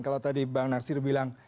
kalau tadi bang nasir bilang